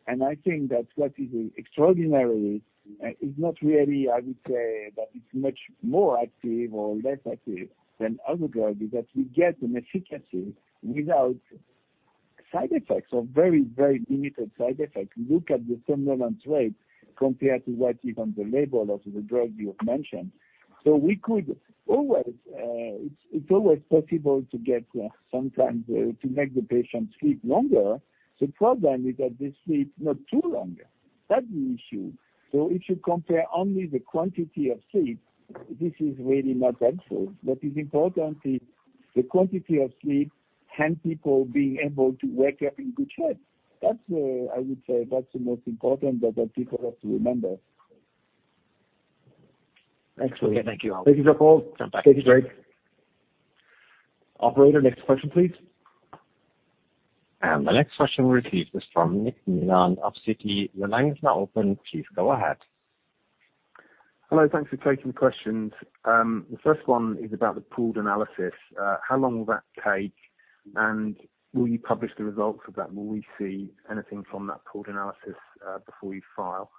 I think that what is extraordinary is not really, I would say, that it's much more active or less active than other drugs, is that we get an efficacy without side effects or very, very limited side effects. Look at the somnolence rate compared to what is on the label of the drug you have mentioned. It's always possible to sometimes make the patient sleep longer. The problem is that they sleep not too longer. That's the issue. If you compare only the quantity of sleep, this is really not helpful. What is important is the quantity of sleep and people being able to wake up in good shape. I would say that's the most important that the people have to remember. Excellent. Okay, thank you. Thank you, Jean-Paul. Take care. Have a good day. Operator, next question, please. The next question we'll take is from Nick Nieland of Citi. Your line is now open. Please go ahead. Hello. Thanks for taking the questions. The first one is about the pooled analysis. How long will that take, and will you publish the results of that? Will we see anything from that pooled analysis before you file?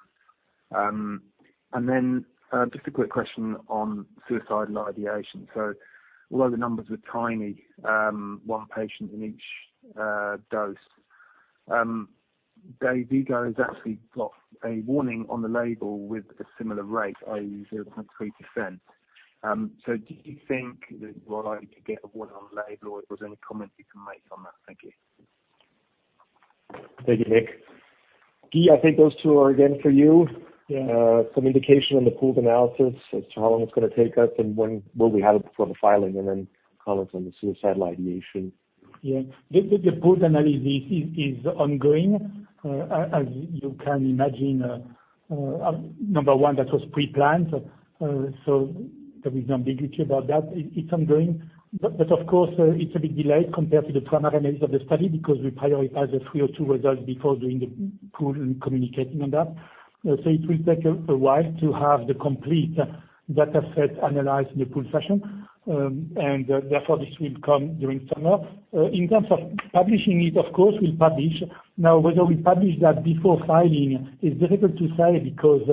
Just a quick question on suicidal ideation. Although the numbers were tiny, one patient in each dose. DAYVIGO has actually got a warning on the label with a similar rate, i.e., 0.3%. Do you think that you are likely to get a one on label or if there's any comment you can make on that? Thank you. Thank you, Nick. Guy, I think those two are again for you. Yeah. Some indication on the pooled analysis as to how long it's going to take us and when will we have it before the filing, and then comments on the suicidal ideation. Yeah. The pooled analysis is ongoing. As you can imagine, number one, that was pre-planned, so there is ambiguity about that. It's ongoing. Of course, it's a big delay compared to the primary analysis of the study because we prioritize the 302 results before doing the pool and communicating on that. It will take a while to have the complete data set analyzed in a pool fashion. Therefore, this will come during summer. In terms of publishing it, of course, we'll publish. Whether we publish that before filing is difficult to say because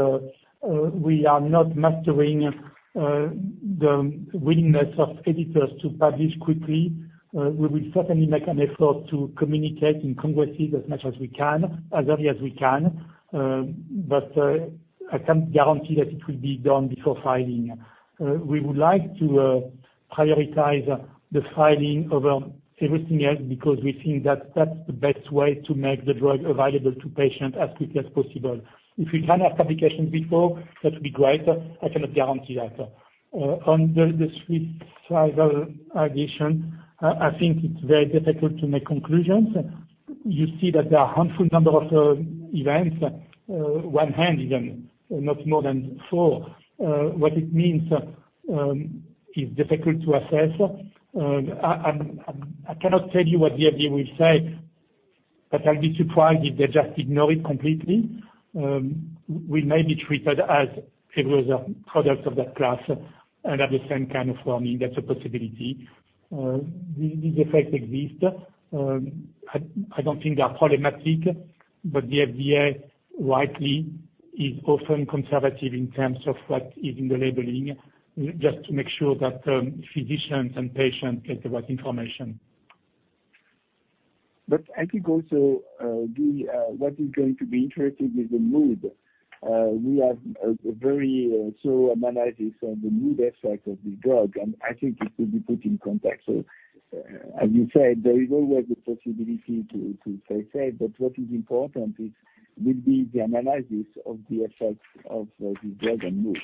we are not mastering the willingness of editors to publish quickly. We will certainly make an effort to communicate in congresses as much as we can, as early as we can. I can't guarantee that it will be done before filing. We would like to prioritize the filing over everything else because we think that that's the best way to make the drug available to patients as quickly as possible. If we can have publication before, that would be great, I cannot guarantee that. On the suicidal ideation, I think it's very difficult to make conclusions. You see that there are a handful number of events. One hand, even, not more than four. What it means is difficult to assess. I cannot tell you what the FDA will say, but I'll be surprised if they just ignore it completely. We may be treated as it was a product of that class and have the same kind of warning. That's a possibility. These effects exist. I don't think they are problematic, but the FDA rightly is often conservative in terms of what is in the labeling, just to make sure that physicians and patients get the right information. I think also, Guy, what is going to be interesting is the mood. We have a very thorough analysis on the mood effects of the drug, and I think it will be put in context. As you said, there is always the possibility to say, but what is important will be the analysis of the effects of the drug on mood.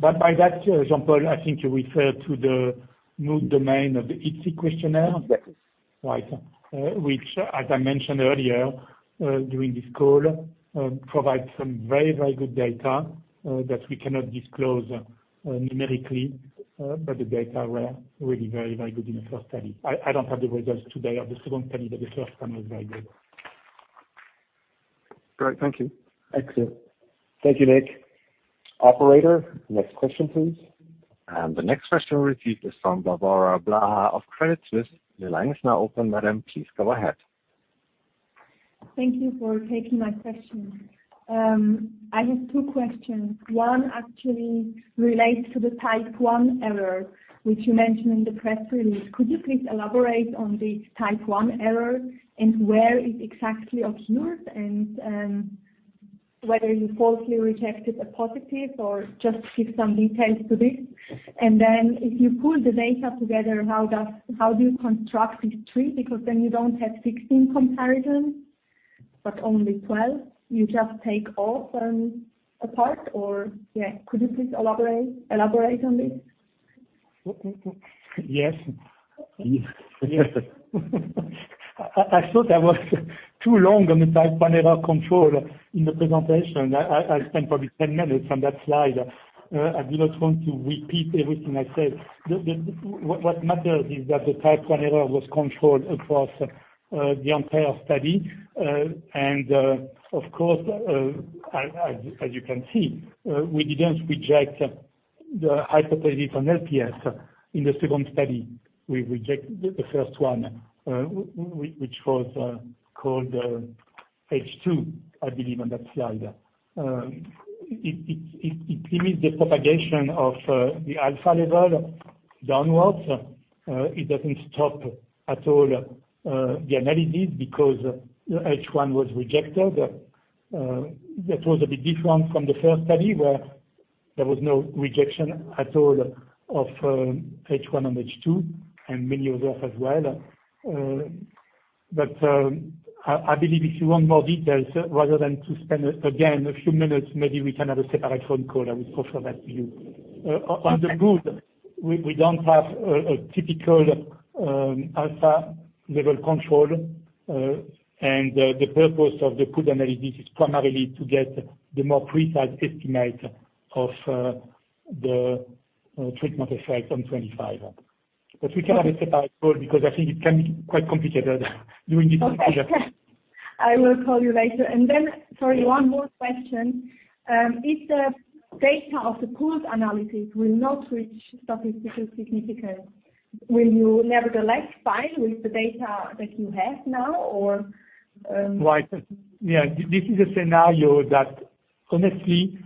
By that, Jean-Paul, I think you refer to the mood domain of the IDSIQ questionnaire? Yes. Right. Which, as I mentioned earlier during this call, provides some very, very good data that we cannot disclose numerically, but the data were really very, very good in the first study. I don't have the results today of the second study, but the first one was very good. Great. Thank you. Excellent. Thank you, Nick. Operator, next question, please. The next question we'll take is from Barbora Blaha of Credit Suisse. Your line is now open, madam. Please go ahead. Thank you for taking my question. I have two questions. One actually relates to the type 1 error, which you mentioned in the press release. Could you please elaborate on this type 1 error and whether you falsely rejected a positive or just give some details to this. Then if you pool the data together, how do you construct this tree? Because then you don't have 16 comparisons, but only 12. You just take all from a part or Yeah, could you please elaborate on this? Yes. I thought I was too long on the type 1 error control in the presentation. I spent probably 10 minutes on that slide. I do not want to repeat everything I said. What matters is that the type 1 error was controlled across the entire study. Of course, as you can see, we didn't reject the hypothesis on LPS in the second study. We reject the first one which was called H2, I believe on that slide. It limits the propagation of the alpha level downwards. It doesn't stop at all the analysis because H1 was rejected. That was a bit different from the first study, where there was no rejection at all of H1 and H2, and many others as well. I believe if you want more details, rather than to spend again a few minutes, maybe we can have a separate phone call. I will confirm that to you. On the good, we don't have a typical alpha level control, and the purpose of the pooled analysis is primarily to get the more precise estimate of the treatment effect on 25. We can have a separate call because I think it can be quite complicated doing it. Okay. I will call you later. Sorry, one more question. If the data of the pooled analysis will not reach statistical significance, will you nevertheless file with the data that you have now or? Right. Yeah, this is a scenario that honestly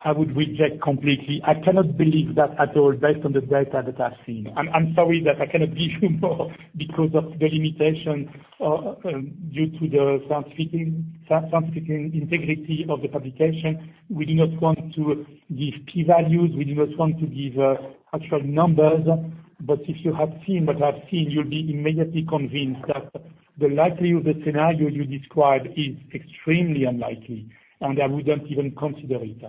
I would reject completely. I cannot believe that at all based on the data that I've seen. I'm sorry that I cannot give you more because of the limitation due to the scientific integrity of the publication. We do not want to give P values. We do not want to give actual numbers. If you had seen what I've seen, you'd be immediately convinced that the likelihood of the scenario you described is extremely unlikely, and I wouldn't even consider it.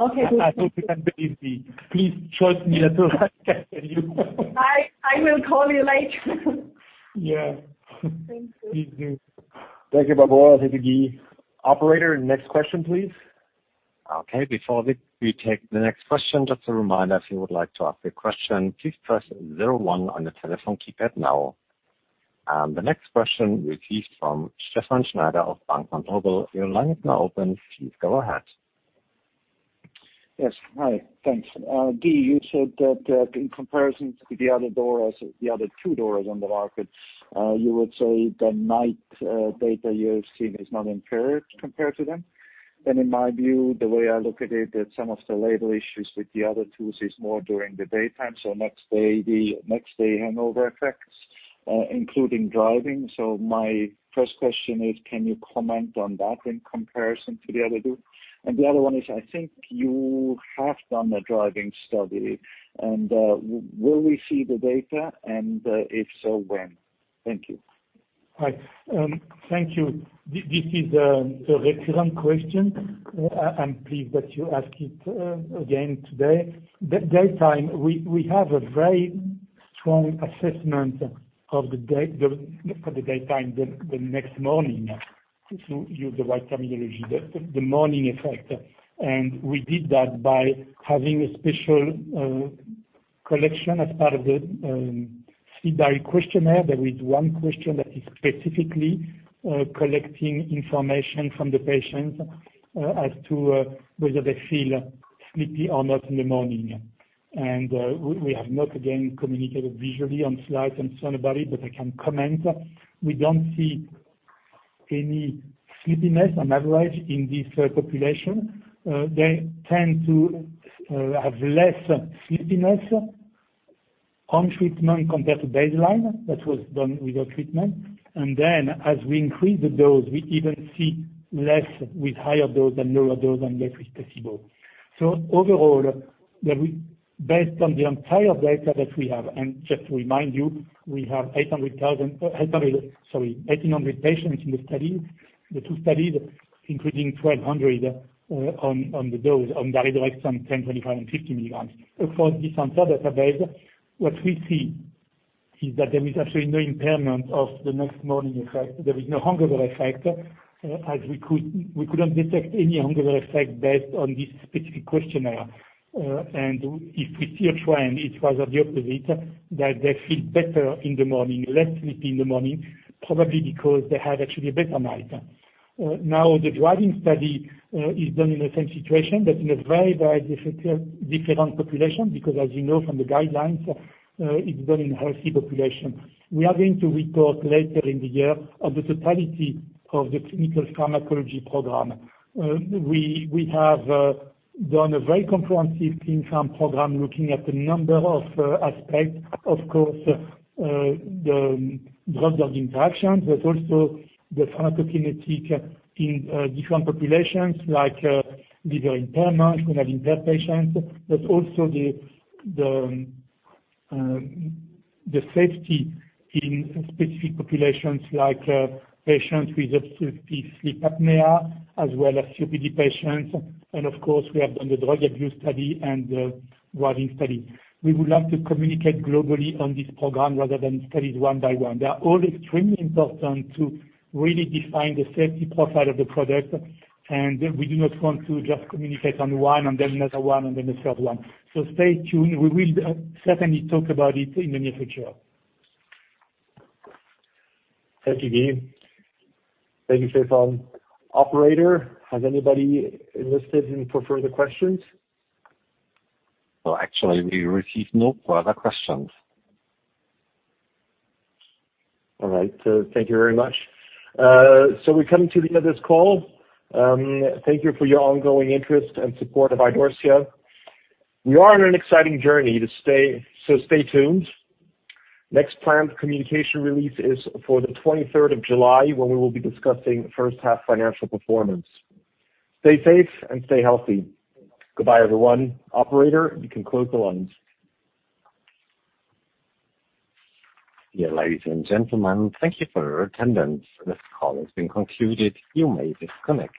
Okay. I hope you can believe me. Please trust me that I can tell you. I will call you later. Yeah. Thank you. Thank you, Barbara. Thank you, Guy. Operator, next question, please. Okay, before we take the next question, just a reminder, if you would like to ask a question, please press zero one on your telephone keypad now. The next question we receive from Stefan Schneider of Bank Vontobel. Your line is now open. Please go ahead. Yes. Hi, thanks. Guy, you said that in comparison to the other two DORAs on the market, you would say the night data you have seen is not impaired compared to them. In my view, the way I look at it, that some of the label issues with the other two is more during the daytime, so next-day hangover effects, including driving. My first question is, can you comment on that in comparison to the other two? The other one is, I think you have done a driving study. Will we see the data? If so, when? Thank you. Hi. Thank you. This is a recurrent question. I'm pleased that you ask it again today. The daytime, we have a very strong assessment of the daytime, the next morning, to use the right terminology, the morning effect. We did that by having a special collection as part of the IDSIQ questionnaire. There is one question that is specifically collecting information from the patient as to whether they feel sleepy or not in the morning. We have not, again, communicated visually on slides and so on about it, but I can comment. We don't see any sleepiness on average in this population. They tend to have less sleepiness on treatment compared to baseline. That was done with a treatment. As we increase the dose, we even see less with higher dose than lower dose and with placebo. Overall, based on the entire data that we have, and just to remind you, we have 1,800 patients in the study. The two studies, including 1,200 on the dose, on daridorexant, 10, 25, and 50 milligrams. Of course, this on-site database, what we see is that there is actually no impairment of the next morning effect. There is no hangover effect, as we couldn't detect any hangover effect based on this specific questionnaire. If we see a trend, it was of the opposite, that they feel better in the morning, less sleepy in the morning, probably because they had actually a better night. Now, the driving study is done in the same situation, but in a very different population, because as you know from the guidelines, it's done in healthy population. We are going to report later in the year on the totality of the clinical pharmacology program. We have done a very comprehensive clin pharm program looking at a number of aspects. Of course, the drug interaction, also the pharmacokinetic in different populations like liver impairment, renal impairment patients. Also the safety in specific populations like patients with obstructive sleep apnea as well as COPD patients. Of course, we have done the drug abuse study and the driving study. We would love to communicate globally on this program rather than studies one by one. They are all extremely important to really define the safety profile of the product, and we do not want to just communicate on one and then another one and then a third one. Stay tuned. We will certainly talk about it in the near future. Thank you, Guy. Thank you, Stefan. Operator, has anybody enlisted in for further questions? Actually, we receive no further questions. All right. Thank you very much. We're coming to the end of this call. Thank you for your ongoing interest and support of Idorsia. We are on an exciting journey, so stay tuned. Next planned communication release is for the 23rd of July when we will be discussing first half financial performance. Stay safe and stay healthy. Goodbye, everyone. Operator, you can close the line. Yeah, ladies and gentlemen, thank you for your attendance. This call has been concluded. You may disconnect.